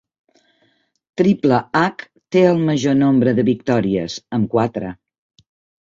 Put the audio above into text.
Triple H té el major nombre de victòries, amb quatre.